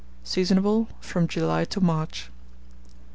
Seasonable from July to March.